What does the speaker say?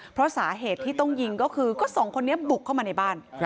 เพราะสาเหตุที่ต้องยิงก็คือก็สองคนนี้บุกเข้ามาในบ้าน